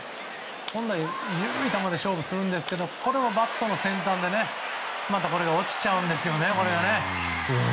本来、緩い球で勝負するんですがこれもバットの先端でまた、これが落ちちゃうんですね。